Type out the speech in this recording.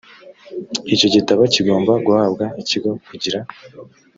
icyo gitabo kigomba guhabwa ikigo kugira